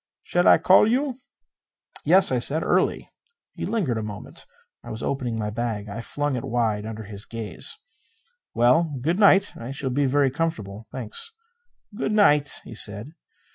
"Shall I call you?" "Yes," I said. "Early." He lingered a moment. I was opening my bag. I flung it wide under his gaze. "Well, good night. I shall be very comfortable, thanks." "Good night," he said.